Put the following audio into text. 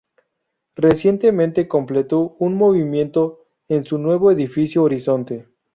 Recientemente completó un movimiento en su nuevo edificio horizonte.